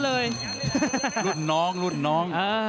รุ่นน้องรุ่นน้อง